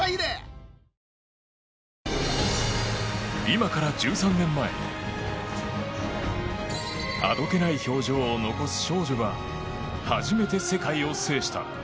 今から１３年前あどけない表情を残す少女が初めて世界を制した。